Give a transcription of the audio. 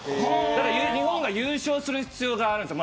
だから日本が優勝する必要があるんです。